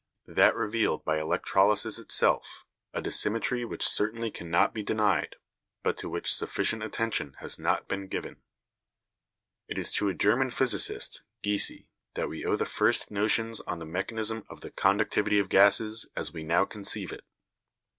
that revealed by electrolysis itself, a dissymmetry which certainly can not be denied, but to which sufficient attention has not been given. It is to a German physicist, Giese, that we owe the first notions on the mechanism of the conductivity of gases, as we now conceive it.